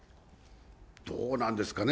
どうなんですかね。